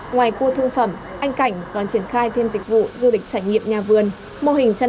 ngoài cua thương phẩm anh cảnh còn triển khai thêm dịch vụ du lịch trải nghiệm nhà vườn mô hình chăn